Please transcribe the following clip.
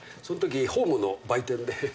その時ホームの売店で。